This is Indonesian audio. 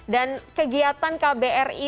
dan kegiatan kbri